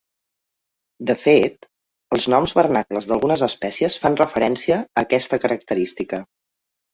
De fet, els noms vernacles d'algunes espècies fan referència a aquesta característica.